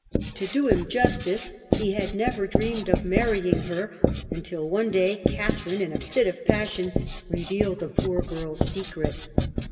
To do him justice he had never dreamed of marrying her, until one day Catharine, in a fit of passion, revealed the poor girl's secret.